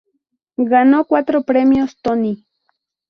Ganó cuatro premios Tony.